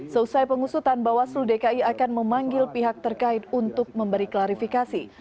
seusai pengusutan bawaslu dki akan memanggil pihak terkait untuk memberi klarifikasi